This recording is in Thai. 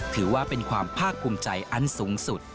ถือว่าเป็นความภาคภูมิใจอันสูงสุด